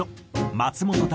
松本隆